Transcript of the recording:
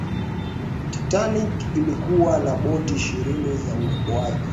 titanic ilikuwa na boti ishirini za uokoaji